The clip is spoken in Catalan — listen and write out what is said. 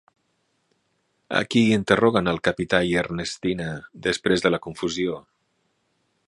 A qui interroguen el Capità i Ernestina després de la confusió?